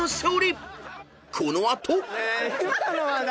［この後］